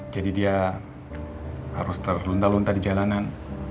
jadi dia harus terluntar luntar di jalanan